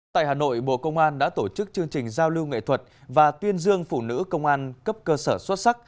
tại hà nội bộ công an đã tổ chức chương trình giao lưu nghệ thuật và tuyên dương phụ nữ công an cấp cơ sở xuất sắc